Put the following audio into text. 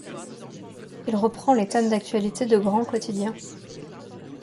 Il reprend les thèmes d'actualités de grands quotidiens.